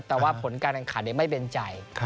แต่ว่าผลการการขาดไม่เป็นใจ